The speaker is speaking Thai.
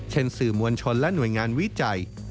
เช่นสื่อมวลชนและหน่วยงานวิจัย